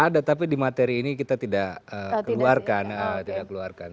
ada tapi di materi ini kita tidak keluarkan